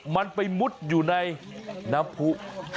มันไปมุดอยู่ในน้ำผู้